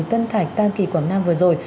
tân thạch tam kỳ quảng nam vừa rồi